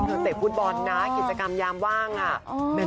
เตะฟุตบอลนะกิจกรรมยามว่างอ่ะ